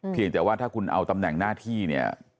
เพียงแต่ว่าถ้าคุณเอาตำแหน่งหน้าที่เนี่ย